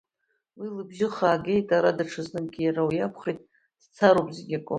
Уи лыбжьы хаа геит ара ҽазныкгьы, иара уи акәхеит, дцароуп, зегь акоуп…